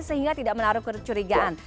sehingga tidak menaruh kecurigaan